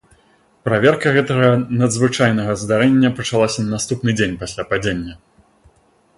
Праверка гэтага надзвычайнага здарэння пачалася на наступны дзень пасля падзення.